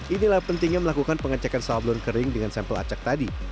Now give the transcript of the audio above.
inilah pentingnya melakukan pengecekan sablon kering dengan sampel acak tadi